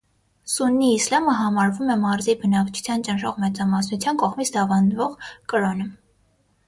Սուննի իսլամը համարվում է մարզի բնակչության ճնշող մեծամասնության կողմից դավանվող կրոնը։